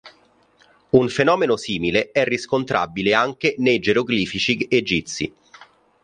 Un fenomeno simile è riscontrabile anche nei geroglifici egizi.